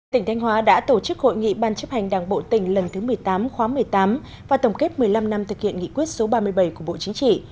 tỉnh thanh hóa đã tổ chức hội nghị ban chấp hành đảng bộ tỉnh lần thứ một mươi tám khóa một mươi tám và tổng kết một mươi năm năm thực hiện nghị quyết số ba mươi bảy của bộ chính trị